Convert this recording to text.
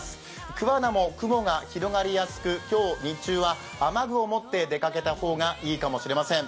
桑名も雲が広がりやすく今日日中は雨具を持って出かけた方がいいかもしれません。